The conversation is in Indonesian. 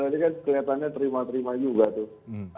ini kan kelihatannya terima terima juga tuh